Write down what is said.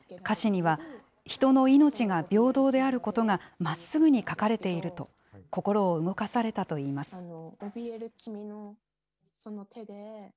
歌詞には、人の命が平等であることがまっすぐに書かれていると、心を動かされたといいます。